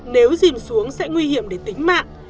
nếu dìm xuống sẽ nguy hiểm để tính mạng